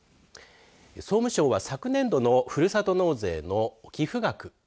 総務省は昨年度のふるさと納税の寄付額。